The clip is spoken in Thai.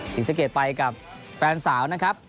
ศรีสะเกดไปกับแฟนสาวนะครับ